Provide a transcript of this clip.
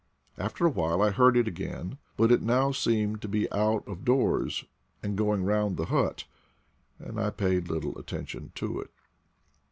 After awhile I heard it again, but it now seemed to be out of doors and going round the hut, and I paid little attention to it.